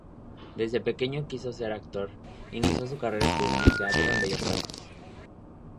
Desde pequeño quiso ser actor. Inició su carrera estudiando teatro en Bellas Artes.